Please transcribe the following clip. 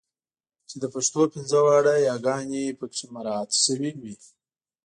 چې د پښتو پنځه واړه یګانې پکې مراعات شوې وي.